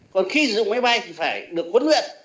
còn khi sử dụng máy bay thì phải được huấn luyện